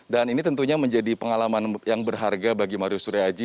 dan ini tentunya menjadi pengalaman yang berharga bagi mario suryo aji